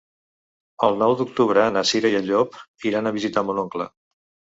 El nou d'octubre na Cira i en Llop iran a visitar mon oncle.